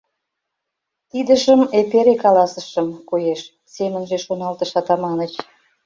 «Тидыжым эпере каласышым, коеш», — семынже шоналтыш Атаманыч.